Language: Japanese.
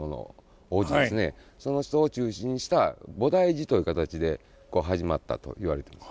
その人を中心にした菩提寺という形で始まったと言われてます。